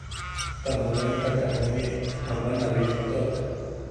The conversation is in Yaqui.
Ta nuentaka juniʼi aman a bittuak.